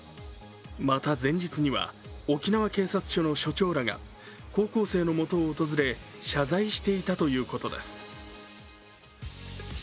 また前日には、沖縄警察署の署長らが、高校生のもとを訪れ、謝罪していたということです。